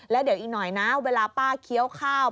แล้วเดี๋ยวอีกหน่อยนะเวลาป้าเคี้ยวข้าว